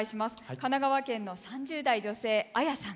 神奈川県の３０代・女性あやさん。